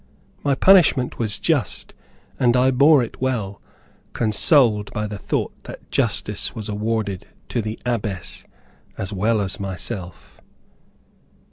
My punishment was just, and I bore it very well, consoled by the thought that justice was awarded to the Abbess, as well as myself.